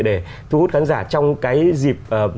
để thu hút khán giả trong cái dịp